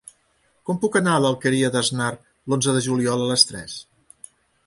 Com puc anar a l'Alqueria d'Asnar l'onze de juliol a les tres?